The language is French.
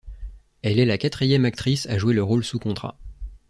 Elle est la quatrième actrice à jouer le rôle sous contrat.